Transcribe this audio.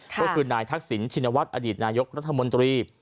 ก็คือนายทักษิณชินวัฒน์อดีตนายกรัฐมนตรี